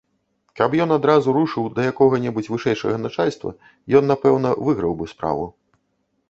Каб ён адразу рушыў да якога небудзь вышэйшага начальства, ён напэўна выграў бы справу.